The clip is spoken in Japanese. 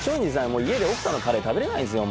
もう家で奥さんのカレー食べれないんですよ